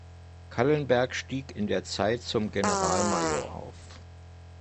Callenberg stieg in der Zeit zum Generalmajor auf.